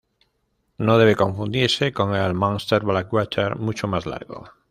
No debe confundirse con el Munster Blackwater, mucho más largo.